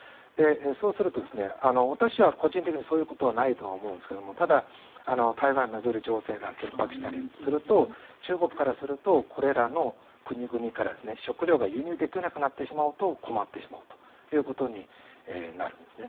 そうすると、私は個人的にそういうことはないと思いますがただ、台湾を巡る情勢が緊迫したりすると中国からするとこれらの国々から食料が輸入できなくなってしまうと困ってしまうということになるんですね。